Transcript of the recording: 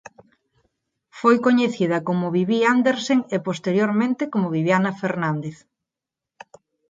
Foi coñecida como Bibi Andersen e posteriormente como Bibiana Fernández.